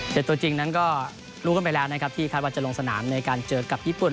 แต่ตัวจริงนั้นก็รู้กันไปแล้วนะครับที่คาดว่าจะลงสนามในการเจอกับญี่ปุ่น